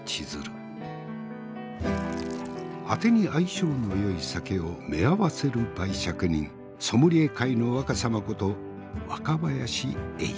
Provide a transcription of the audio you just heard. あてに相性のよい酒をめあわせる媒酌人ソムリエ界の若さまこと若林英司。